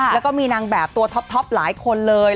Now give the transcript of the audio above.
แล้วก็มีนางแบบตัวท็อปหลายคนเลย